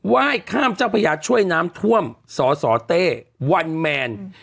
ว่ายข้ามเจ้าพระยาช่วยน้ำท่วมสสเต้วันแมน